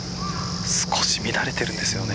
少し乱れてるんですよね。